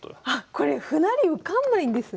これ歩成り受かんないんですね！